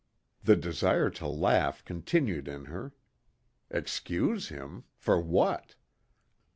The desire to laugh continued in her. Excuse him! For what?